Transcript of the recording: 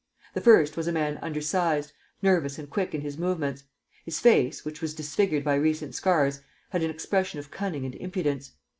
The first was a man under sized, nervous and quick in his movements. His face, which was disfigured by recent scars, had an expression of cunning and impudence.